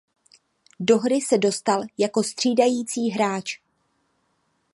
Do hry se dostal jako střídající hráč.